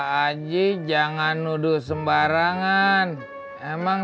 dan kita harusnya berpengalaman